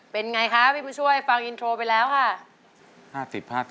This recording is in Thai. เป็นไงคะพี่ผู้ช่วยฟังอินโทรไปแล้วค่ะ